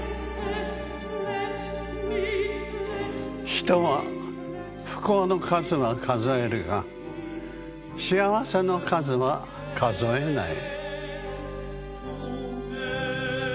「人は不幸の数はかぞえるが幸せの数はかぞえない」。